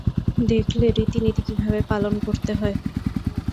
দেখলে রীতিনীতি কীভাবে পালন করতে হয়।